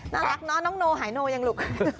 น่ารักเนอะน้องโนหายโนยังลูก